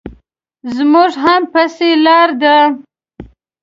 زموږ هم پسې لار ده.